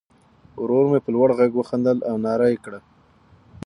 ورور مې په لوړ غږ وخندل او ناره یې کړه.